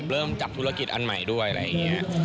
เริ่มจับธุรกิจอันใหม่ด้วยอะไรอย่างนี้